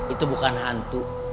itu bukan hantu